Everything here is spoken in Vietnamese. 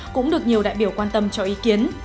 cũng được nhiều đại biểu quan tâm cho ý kiến